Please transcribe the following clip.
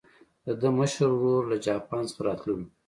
د ده مشر ورور له جاپان څخه راتللو.